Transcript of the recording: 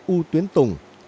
u tuyến tùng